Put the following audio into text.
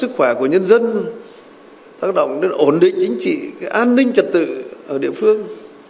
sức khỏe của nhân dân tác động đến ổn định chính trị an ninh trật tự ở địa phương